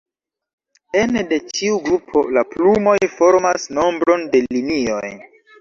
Ene de ĉiu grupo, la plumoj formas nombron de linioj.